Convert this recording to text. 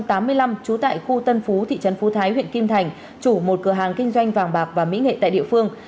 trấn phú thái huyện kim thành chủ một cửa hàng kinh doanh vàng bạc và mỹ nghệ tại địa phương